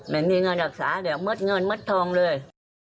ไม่มีเงินรักษาแบบมัดเงินมัดทองเลย